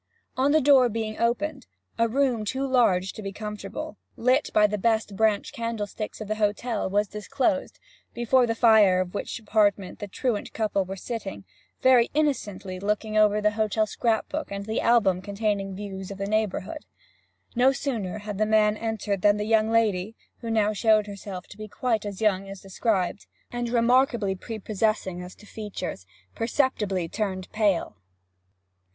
On the door being opened, a room too large to be comfortable, lit by the best branch candlesticks of the hotel, was disclosed, before the fire of which apartment the truant couple were sitting, very innocently looking over the hotel scrap book and the album containing views of the neighbourhood. No sooner had the old man entered than the young lady who now showed herself to be quite as young as described, and remarkably prepossessing as to features perceptibly turned pale.